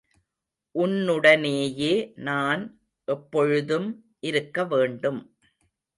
உன்னுடனேயே நான் எப்பொழுதும் இருக்கவேண்டும்.